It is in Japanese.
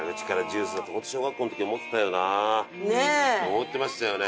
思ってましたよね。